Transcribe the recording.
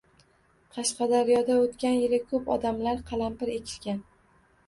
Qashqadaryoda o'tgan yili ko'p odamlar qalampir ekishgan